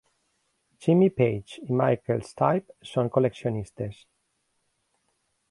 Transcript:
Jimmy Page i Michael Stipe són col·leccionistes.